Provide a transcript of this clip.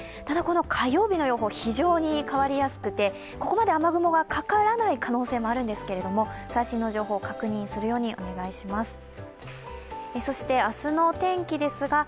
ただ、火曜日の予報非常に変わりやすくてここまで雨雲がかからない可能性もあるんですけれども、最新の情報を確認するようにお願いします。